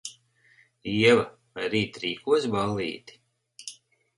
Ieva, vai rīt rīkosi ballīti?